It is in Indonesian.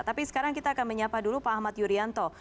tapi sekarang kita akan menyapa dulu pak ahmad yuryanto